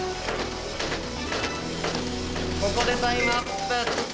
・ここでタイムアップ！